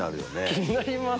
気になります